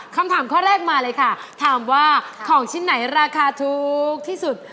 คำถามข้อแรกมาเลยค่ะถามว่าของชิ้นไหนราคาถูกที่สุด